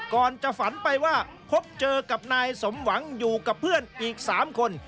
ก่อนจะฝันไปว่าพบเจอกับนายสมหวังอยู่กับเพื่อนอีก๓คน